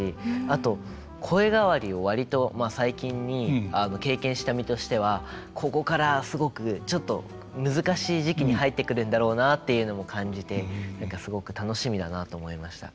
あと声変わりを割と最近に経験した身としてはここからすごくちょっと難しい時期に入ってくるんだろうなっていうのも感じて何かすごく楽しみだなと思いました。